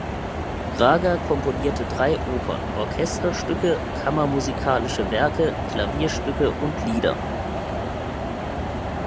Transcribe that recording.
Braga komponierte drei Opern, Orchesterstücke, kammermusikalische Werke, Klavierstücke und Lieder.